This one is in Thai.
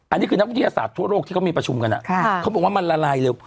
อันนี้คือนักวิทยาศาสตร์ทั่วโลกที่เขามีประชุมกันเขาบอกว่ามันละลายเร็ว